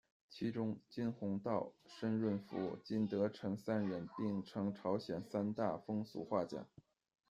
其中金弘道、申润福、金得臣三人并称朝鲜三大风俗画家。